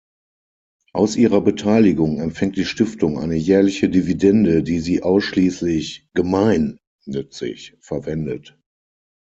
Aus ihrer Beteiligung empfängt die Stiftung eine jährliche Dividende, die sie ausschließlich gemeinnützig verwendet.